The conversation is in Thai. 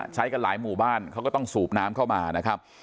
ใช้กันหลายหมู่บ้านเขาก็ต้องสูบน้ำเข้ามานะครับ